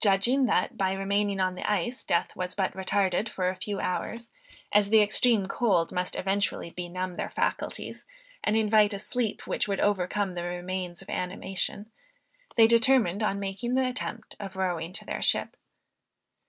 Judging, that by remaining on the ice, death was but retarded for a few hours, as the extreme cold must eventually benumb their faculties, and invite a sleep which would overcome the remains of animation, they determined on making the attempt of rowing to their ship.